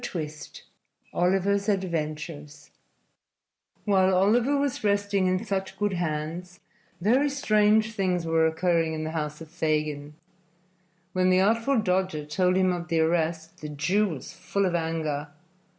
II OLIVER'S ADVENTURES While Oliver was resting in such good hands, very strange things were occurring in the house of Fagin. When the Artful Dodger told him of the arrest the Jew was full of anger.